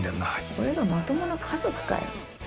これがまともな家族かよ。